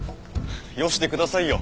よしてくださいよ